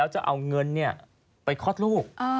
จะเอาเงินไปคลอดลูก